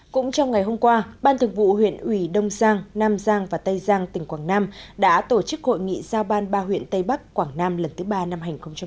cũng trong ngày hôm qua ban thường vụ huyện ủy đông giang nam giang và tây giang tỉnh quảng nam đã tổ chức hội nghị giao ban ba huyện tây bắc quảng nam lần thứ ba năm hai nghìn hai mươi